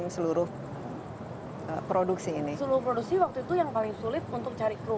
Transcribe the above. seluruh produksi waktu itu yang paling sulit untuk cari crew